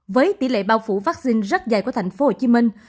với tỷ lệ bao phủ vaccine rất dày của thành phố hồ chí minh